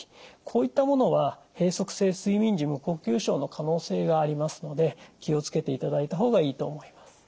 こういったものは閉塞性睡眠時無呼吸症の可能性がありますので気を付けていただいた方がいいと思います。